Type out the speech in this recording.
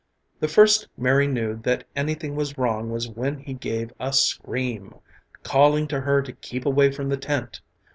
The first Mary knew that anything was wrong was when he gave a scream, calling to her to keep away from the tent.